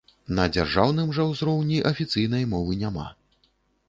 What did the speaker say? На дзяржаўным жа ўзроўні афіцыйнай мовы няма.